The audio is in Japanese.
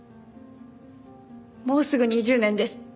もうすぐ２０年です。